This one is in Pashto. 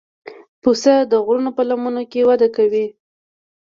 پسه د غرونو په لمنو کې وده کوي.